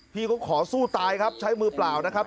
พี่เขาขอสู้ตายครับใช้มือเปล่านะครับ